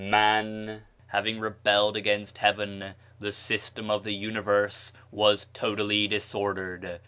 Man having rebelled against Heaven, the system of the universe was totally disordered.